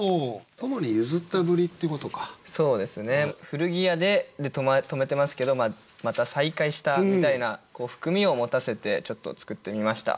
「古着屋で」で止めてますけどまた再会したみたいな含みを持たせてちょっと作ってみました。